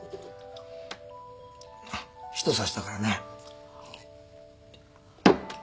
人刺したからな。